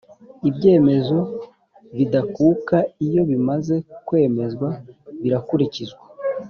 ibyemezo bidakuka iyo bimaze kwemezwa birakurikizwa